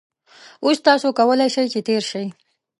اوس تاسو کولای شئ چې تېر شئ